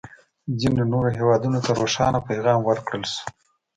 ځینو نورو هېوادونه ته روښانه پیغام ورکړل شو.